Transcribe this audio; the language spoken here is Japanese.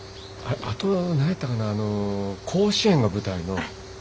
あとは何やったかなああの甲子園が舞台の。